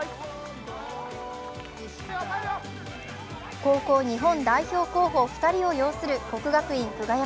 高校日本代表候補２人を擁する国学院久我山。